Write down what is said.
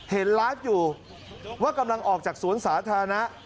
เห็นไลฟ์อยู่ว่ากำลังออกจากสวนสาธารณะ